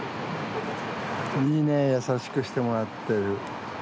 いいねえ優しくしてもらってる。